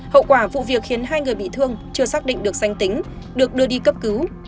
hậu quả vụ việc khiến hai người bị thương chưa xác định được danh tính được đưa đi cấp cứu